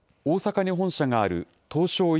大阪に本社がある東証